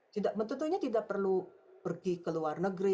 tidak tentunya tidak perlu pergi ke luar negeri